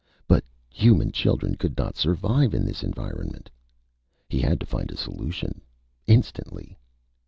But human children could not survive in this environment. He had to find a solution instantly.